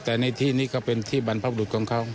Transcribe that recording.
แต่ในที่นี้ก็เป็นที่บรรพบรุษของเขา